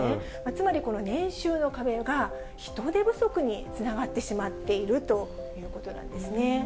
つまり、この年収の壁が、人手不足につながってしまっているということなんですね。